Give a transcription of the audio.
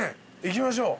行きましょう。